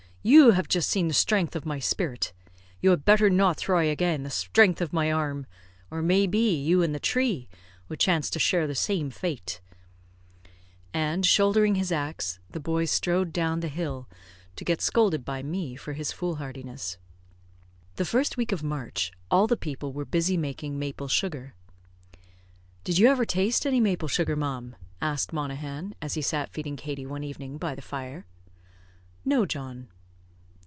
You have just seen the strength of my spirit. You had better not thry again the strength of my arm, or, may be, you and the tree would chance to share the same fate;" and, shouldering his axe, the boy strode down the hill, to get scolded by me for his foolhardiness. The first week of March, all the people were busy making maple sugar. "Did you ever taste any maple sugar, ma'am?" asked Monaghan, as he sat feeding Katie one evening by the fire. "No, John."